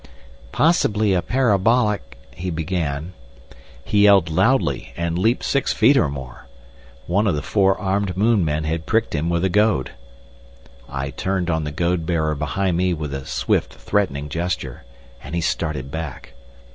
"Possibly a parabolic—" he began. He yelled loudly, and leaped six feet or more! One of the four armed moon men had pricked him with a goad! I turned on the goad bearer behind me with a swift threatening gesture, and he started back.